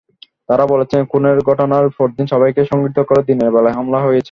তাঁরা বলছেন, খুনের ঘটনার পরদিন সবাইকে সংগঠিত করে দিনের বেলায় হামলা হয়েছে।